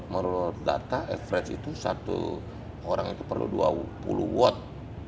menurut data average itu satu orang itu perlu dua puluh watt